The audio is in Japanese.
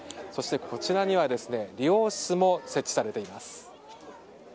こちらには理容室も設置されています。